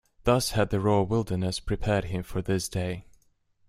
Thus had the raw wilderness prepared him for this day.